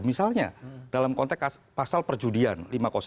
misalnya dalam konteks pasal perjudian lima ratus dua